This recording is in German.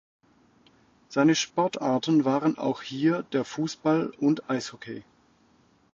Seine Sportarten waren auch hier der Fußball und Eishockey.